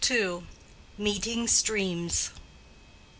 —MEETING STREAMS.